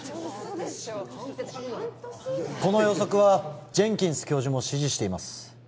だって半年以内この予測はジェンキンス教授も支持しています